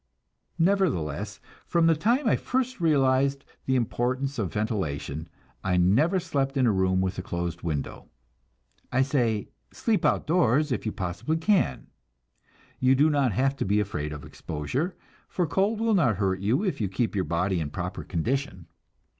Nevertheless, from the time I first realized the importance of ventilation I never slept in a room with a closed window. I say, sleep outdoors if you possibly can. You do not have to be afraid of exposure, for cold will not hurt you if you keep your body in proper condition.